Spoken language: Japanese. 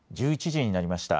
１１時になりました。